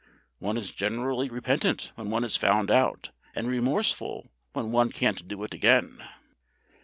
"One is generally repentant when one is found out, and remorseful when one can't do it again."